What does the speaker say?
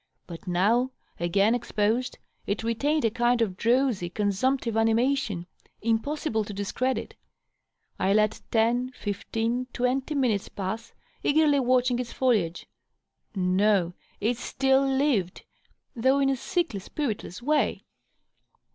But now, again exposed, it re tained a kind of drowsy, consumptive animation, impossible to discredit. I let ten, fiftieen, twenty minutes pass, eagerly watching its foliage. No ; it Ml lived, though in a sickly, spiritless way.